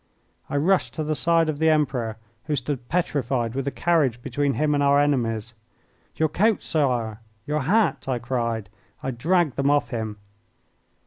I rushed to the side of the Emperor, who stood petrified, with the carriage between him and our enemies. "Your coat, Sire! your hat!" I cried. I dragged them off him.